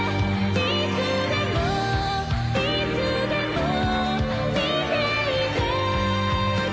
「いつでもいつでも見ていてくれたね」